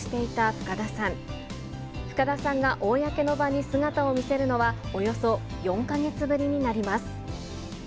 深田さんが公の場に姿を見せるのは、およそ４か月ぶりになります。